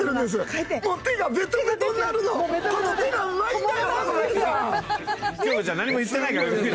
京子ちゃん何も言ってないから。